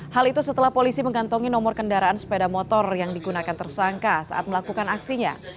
hal itu setelah polisi mengantongi nomor kendaraan sepeda motor yang digunakan tersangka saat melakukan aksinya